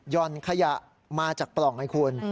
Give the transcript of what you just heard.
่อนขยะมาจากปล่องให้คุณ